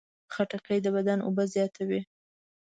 خټکی د بدن اوبه زیاتوي.